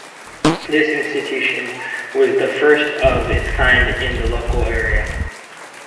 This institution was the first of its kind in the local area.